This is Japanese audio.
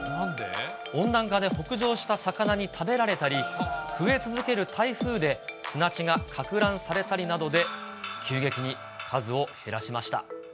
温暖化で北上した魚に食べられたり、増え続ける台風で砂地がかく乱されたりなどで、急激に数を減らしました。